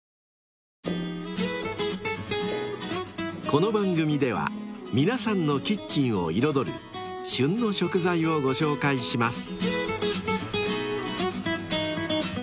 ［この番組では皆さんのキッチンを彩る「旬の食材」をご紹介します］